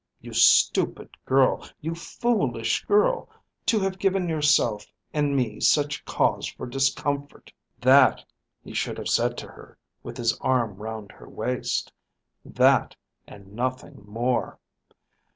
"You stupid girl, you foolish girl, to have given yourself and me such cause for discomfort!" That he should have said to her, with his arm round her waist; that and nothing more.